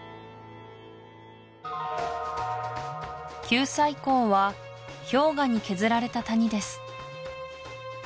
九寨溝は氷河に削られた谷です